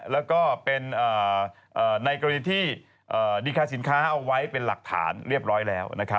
แล้วก็เป็นในกรณีที่ดีคาสินค้าเอาไว้เป็นหลักฐานเรียบร้อยแล้ว